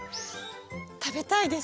食べたいです